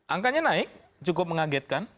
angkanya naik cukup mengagetkan